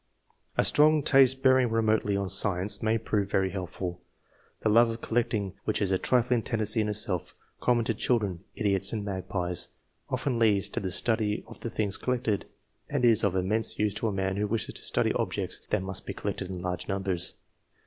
A strong taste bearing remotely on science may prove very helpful. The love of collecting, which is a trifling tendency in itself, common to III.] ORIGIN OF TASTE FOR SCIENCE, 195 children^ idiots, and magpies, often leads to the study of the things collected, and is of immense use to a man who wishes to study objects that must be collected in large numbers.